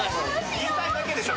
言いたいだけでしょ。